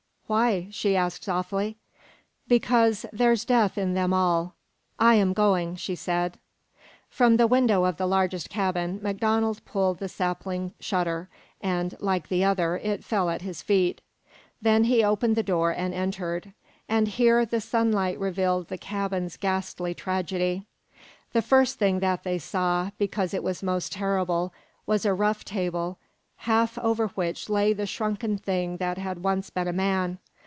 "Why?" she asked softly. "Because there's death in them all." "I am going," she said. From the window of the largest cabin MacDonald pulled the sapling shutter, and, like the other, it fell at his feet. Then they opened the door, and entered; and here the sunlight revealed the cabin's ghastly tragedy. The first thing that they saw, because it was most terrible, was a rough table, half over which lay the shrunken thing that had once been a man.